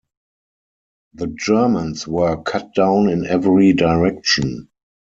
The Germans were cut down in every direction.